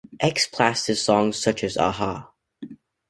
X Plastaz songs such as Aha!